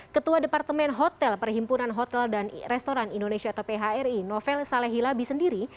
ketua departemen hotel perhimpunan hotel dan restoran indonesia atau phri novel saleh hilabi sendiri